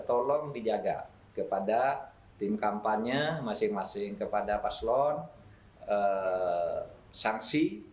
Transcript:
tolong dijaga kepada tim kampanye masing masing kepada paslon sanksi